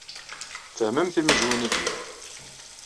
Tfehmem timijwin ay yellan.